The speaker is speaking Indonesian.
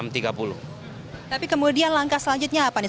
tapi kemudian langkah selanjutnya apa nih